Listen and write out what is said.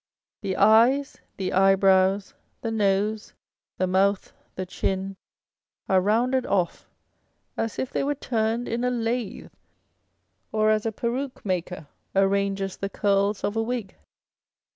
The eyes, the eye brows, the nose, the mouth, the chin, are rounded off as if they were turned in a lathe, or as a peruke maker arranges the curls of a wig.